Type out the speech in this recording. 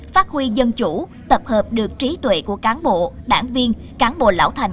phát huy dân chủ tập hợp được trí tuệ của cán bộ đảng viên cán bộ lão thành